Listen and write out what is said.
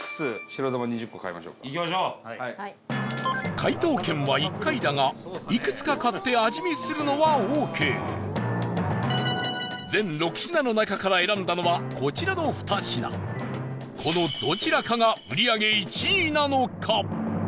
解答権は１回だがいくつか買って味見するのはオーケー全６品の中から選んだのはこちらの２品このどちらかが売り上げ１位なのか？